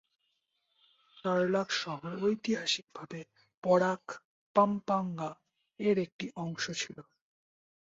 তারলাক শহর ঐতিহাসিকভাবে পরাক, পাম্পাঙ্গা এর একটি অংশ ছিল।